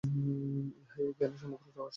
ইহাই এই জ্ঞানের সমগ্র রহস্য।